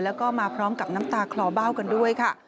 แล้วก็มาพร้อมกับน้ำตาคลอเบ้ากันด้วยค่ะ